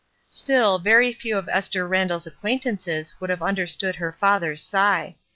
Still, very few of Esther Randall's acquaint ances would have understood her father's sigh.